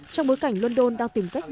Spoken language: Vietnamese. trong bối cảnh london đang tìm cách